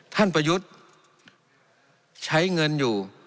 ประยุทธ์ใช้เงินอยู่